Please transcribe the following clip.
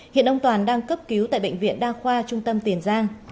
hiện ông toàn đang cấp cứu tại bệnh viện đa khoa trung tâm tiền giang